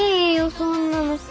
そんなの。